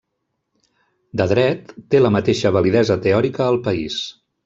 De dret, té la mateixa validesa teòrica al país.